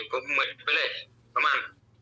ประมาณ